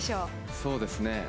そうですね。